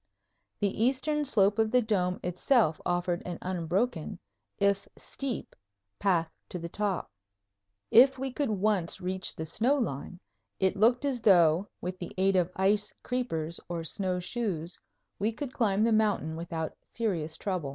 The eastern slope of the dome itself offered an unbroken, if steep, path to the top. If we could once reach the snow line, it looked as though, with the aid of ice creepers or snowshoes, we could climb the mountain without serious trouble.